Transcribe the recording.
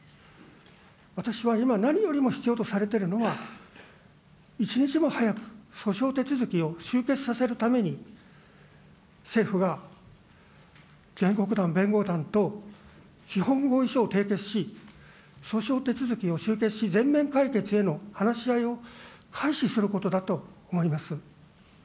私は今、何よりも必要とされているのは、一日も早く訴訟手続きを終結させるために、政府が原告団、弁護団と基本合意書を締結し、訴訟手続きを終結し全面解決への話し合いを開始することだと思います。